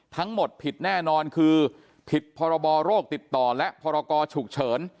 ทั้งหมดผิดแน่นอนคือผิดพรบโรคติดต่อและพรกรฉุกเฉิน